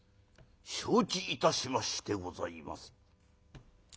承知いたしましてございます」。